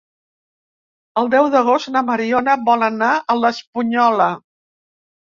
El deu d'agost na Mariona vol anar a l'Espunyola.